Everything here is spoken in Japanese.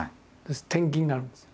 転勤になるんですよ。